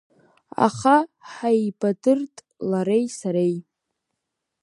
Аха ҳаибадырт лареи сареи.